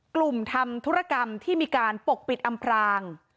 ทำธุรกรรมที่มีการปกปิดอำพราง